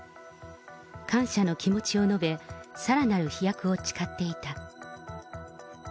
感謝の気持ちを述べ、さらなる飛躍を誓っていた。